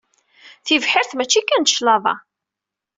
Tibḥirt mačči kan d cclaḍa.